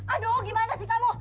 aduh gimana sih kamu